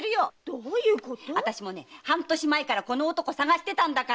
あたしもね半年前からこの男捜してたんだから！